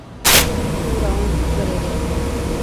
¿tsuda onquecuededec?